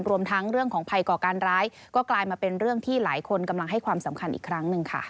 รวมทั้งเรื่องของภัยก่อการร้ายก็กลายมาเป็นเรื่องที่หลายคนกำลังให้ความสำคัญอีกครั้งหนึ่งค่ะ